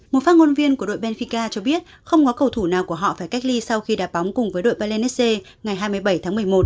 một phát ngôn viên của đội benfika cho biết không có cầu thủ nào của họ phải cách ly sau khi đạp bóng cùng với đội pallenice ngày hai mươi bảy tháng một mươi một